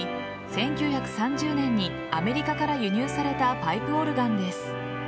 １９３０年にアメリカから輸入されたパイプオルガンです。